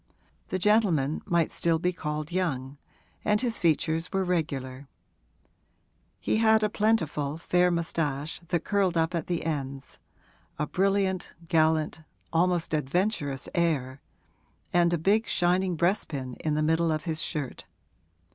The gentleman might still be called young, and his features were regular: he had a plentiful, fair moustache that curled up at the ends, a brilliant, gallant, almost adventurous air, and a big shining breastpin in the middle of his shirt.